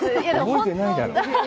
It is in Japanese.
覚えてないだろ？